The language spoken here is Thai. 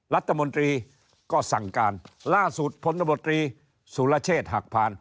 รัฐมนตรีก็สั่งการล่าสุดพลตบตรีสุรเชษฐ์หักผ่าน